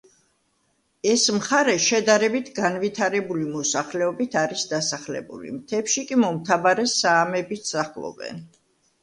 ეს მხარე შედარებით განვითარებული მოსახლეობით არის დასახლებული, მთებში კი მომთაბარე საამები სახლობენ.